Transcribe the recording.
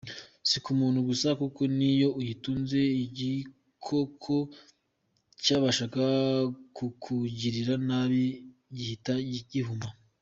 Si ku muntu gusa kuko n’iyo uyitunze igikoko cyabashaga kukugirira nabi gihita gihuma.